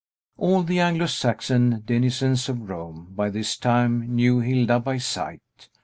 All the Anglo Saxon denizens of Rome, by this time, knew Hilda by sight.